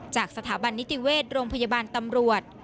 จากสถาบันนิติเวชโรงพยาบาลตำรวจ